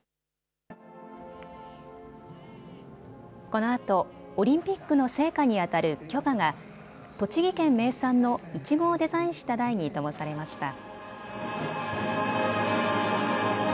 このあとオリンピックの聖火にあたる炬火が栃木県名産のいちごをデザインした台にともされました。